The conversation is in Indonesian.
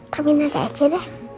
tapi nggak kecil deh